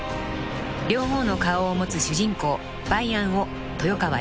［両方の顔を持つ主人公梅安を］